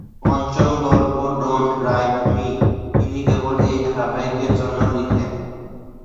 পঞ্চম গল্প "don't write me" তিনি কেবল এই ধারাবাহিকের জন্য লিখেন।